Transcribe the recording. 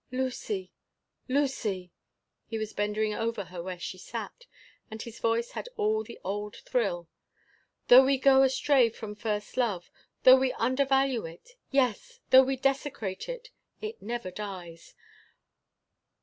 —Lucy, Lucy—" he was bending over her where she sat, and his voice had all the old thrill—"though we go astray from first love; though we undervalue it; yes! though we desecrate it, it never dies!